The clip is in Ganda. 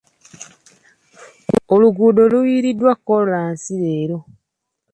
Oluguudo luyiiriddwa kolansi leero.